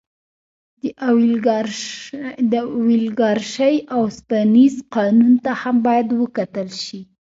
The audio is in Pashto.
د اولیګارشۍ اوسپنیز قانون ته هم باید وکتل شي.